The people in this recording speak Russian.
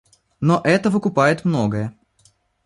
Но это выкупает многое.